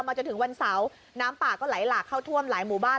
จนถึงวันเสาร์น้ำป่าก็ไหลหลากเข้าท่วมหลายหมู่บ้าน